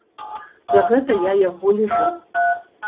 За гэта я яго ліжу.